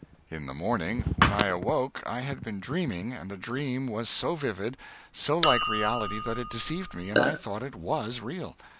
In the morning, when I awoke I had been dreaming, and the dream was so vivid, so like reality, that it deceived me, and I thought it was real.